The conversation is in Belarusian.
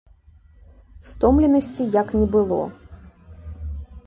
Стомленасці як не было.